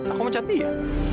aku mencati ya